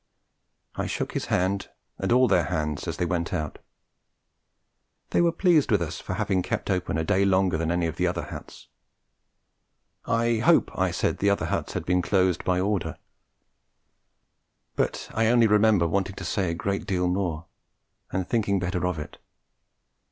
I shook his hand, and all their hands, as they went out. They were pleased with us for having kept open a day longer than any of the other huts. I hope I said the other huts had been closed by order; but I only remember wanting to say a great deal more, and thinking better of it.